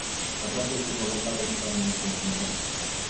Aceasta este provocarea cu care ne confruntăm.